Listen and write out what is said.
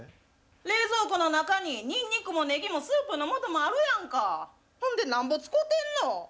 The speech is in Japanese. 冷蔵庫の中にニンニクもネギもスープのもともあるやんか、ほんでなんぼつこうてんの。